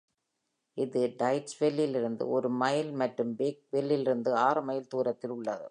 இது டைட்ஸ்வெல்லிலிருந்து ஒரு மைல் மற்றும் பேக்வெல்லிலிருந்து ஆறு மைல் தூரத்தில் உள்ளது.